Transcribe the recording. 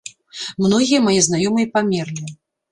Многія мае знаёмыя памерлі.